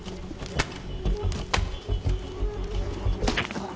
あっ！